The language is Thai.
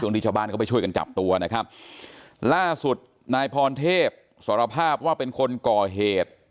ที่ชาวบ้านเข้าไปช่วยกันจับตัวนะครับล่าสุดนายพรเทพสารภาพว่าเป็นคนก่อเหตุ